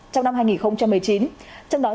trong năm hai nghìn một mươi chín trong đó